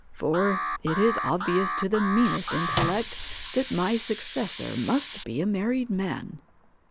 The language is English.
For, it is obvious to the meanest in tellect that my successor must be a married man.'